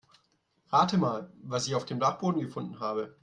Rate mal, was ich auf dem Dachboden gefunden habe.